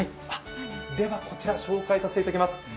こちら紹介させていただきます。